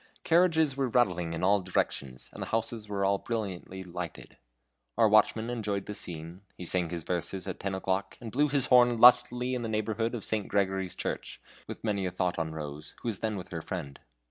Carriages were rattling in all directions, the houses were all brilliantly lighted. Our watchman enjoyed the scene, he sang his verses at ten o'clock, and blew his horn lustily in the neighborhood of St. Gregory's Church, with many a thought on Rose, who was then with her friend.